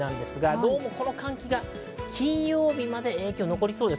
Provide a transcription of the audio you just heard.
どうもこの寒気が金曜日まで影響は残りそうです。